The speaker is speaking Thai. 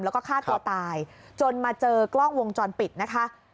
แล้วก็ฆ่าตัวตายจนมาเจอกล้องวงจรปิดนะคะ